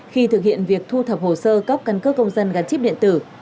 khi thực hiện việc thu thập hồ sơ cấp căn cước công dân gắn chip điện tử